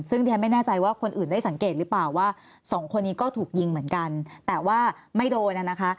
ซึ่งที่ฉันไม่แน่ใจว่าคนอื่นได้สังเกตหรือเปล่าว่าสองคนนี้ก็ถูกยิงเหมือนกันแต่ว่าไม่โดนนะคะ